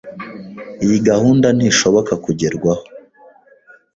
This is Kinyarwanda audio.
Iyi gahunda ntishoboka kugerwaho.